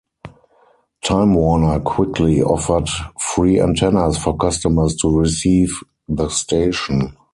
Time Warner quickly offered free antennas for customers to receive the station.